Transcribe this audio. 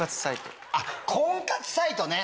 あっ婚活サイトね！